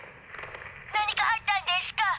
何かあったんでしゅか？